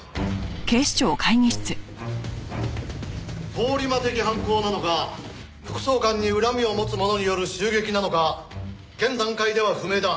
通り魔的犯行なのか副総監に恨みを持つ者による襲撃なのか現段階では不明だ。